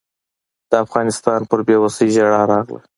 د افغانستان پر بېوسۍ ژړا راغله.